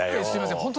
すみません。